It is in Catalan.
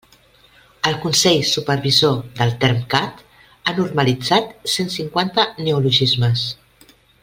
El Consell Supervisor del Termcat ha normalitzat cent cinquanta neologismes.